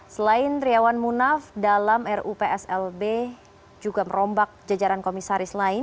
selain triawan munaf dalam rupslb juga merombak jajaran komisaris lain